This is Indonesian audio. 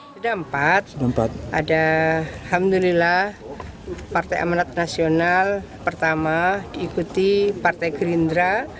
sudah empat ada alhamdulillah partai amanat nasional pertama diikuti partai gerindra